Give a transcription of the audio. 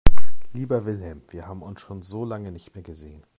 Lieber Wilhelm, wir haben uns schon so lange nicht mehr gesehen.